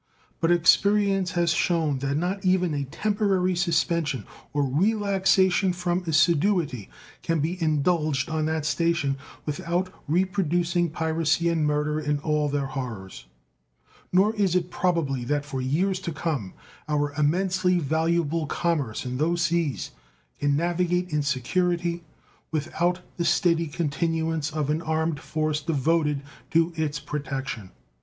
But experience has shown that not even a temporary suspension or relaxation from assiduity can be indulged on that station without reproducing piracy and murder in all their horrors; nor is it probably that for years to come our immensely valuable commerce in those seas can navigate in security without the steady continuance of an armed force devoted to its protection.